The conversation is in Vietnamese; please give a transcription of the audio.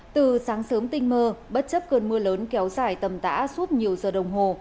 từ sáng sớm tinh mơ bất chấp cơn mưa lớn kéo dài tầm tã suốt nhiều giờ đồng hồ